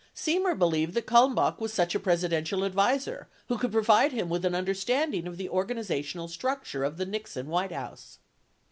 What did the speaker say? Semer believed that Kalmbach was such a Presidential advisor who could provide him with an understanding of the organizational structure of the Nixon White House.